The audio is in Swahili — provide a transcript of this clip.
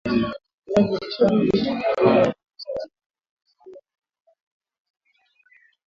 Kundi la Vikosi vya Kidemokrasia vya Ukombozi wa Rwanda liliundwa kutoka kundi lililokuwa likiongozwa na Generali Bosco Ntaganda,